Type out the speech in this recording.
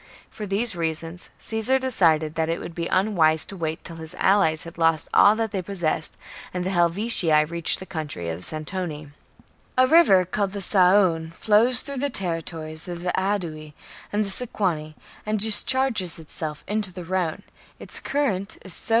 For these reasons Caesar decided that it would be unwise to wait till his allies had lost all that they possessed, and the Helvetii reached the country of the Santoni. Se^Heimfi 12. A river called the Saone flows through sa°6ne?^ thc terHtorics of the Aedui and the Sequani, and SSThefr discharges itself into the Rhone : its current is so ti^\%%tnk.